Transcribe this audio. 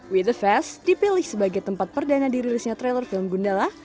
we the fest dipilih sebagai tempat perdana dirilisnya trailer film gundala